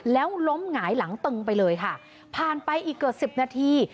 แล้วล้มหงายหลังตึงไปเลยค่ะผ่านไปอีกเกือบสิบนาที